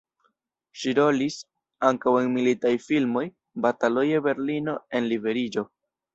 Ŝi rolis ankaŭ en militaj filmoj "Batalo je Berlino" en "Liberiĝo".